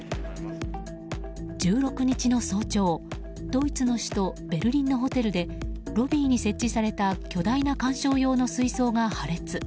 １６日の早朝、ドイツの首都ベルリンのホテルでロビーに設置された巨大な観賞用の水槽が破裂。